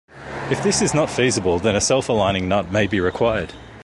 If this is not feasible then a self-aligning nut may be required.